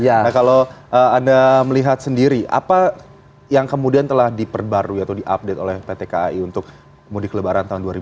nah kalau anda melihat sendiri apa yang kemudian telah diperbarui atau diupdate oleh pt kai untuk mudik lebaran tahun dua ribu dua puluh